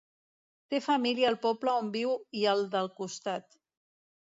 Té família al poble on viu i al del costat.